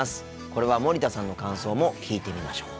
これは森田さんの感想も聞いてみましょう。